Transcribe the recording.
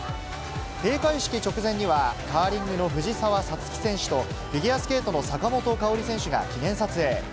閉会式直前には、カーリングの藤澤五月選手と、フィギュアスケートの坂本花織選手が記念撮影。